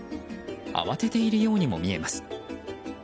慌てているようにも見えます。